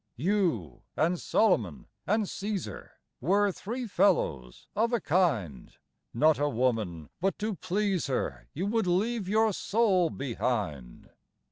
You and Solomon and Cæsar Were three fellows of a kind; Not a woman but to please her You would leave your soul behind.